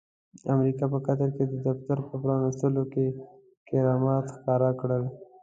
امريکا په قطر کې د دفتر په پرانستلو کې کرامات ښکاره کړل.